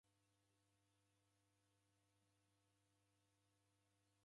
W'eshinulwa ni kazi yaw'o iboie.